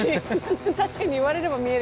確かに言われれば見えるけど。